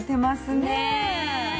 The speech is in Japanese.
ねえ。